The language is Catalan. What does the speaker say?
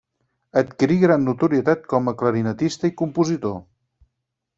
Adquirí gran notorietat com a clarinetista i compositor.